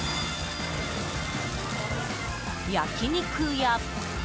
焼き肉や。